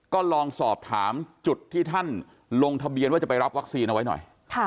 ก็ลองสอบถามจุดที่ท่านลงทะเบียนว่าจะไปรับวัคซีนเอาไว้หน่อย